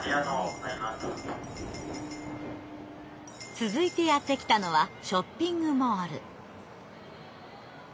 続いてやって来たのはショッピングモール。